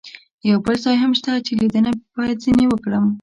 یو بل ځای هم شته چې لیدنه باید ځنې وکړم.